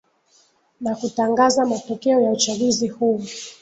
ni kutangaza matokeo ya uchaguzi huu